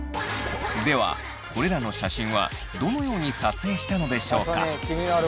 ではこれらの写真はどのように撮影したのでしょうか？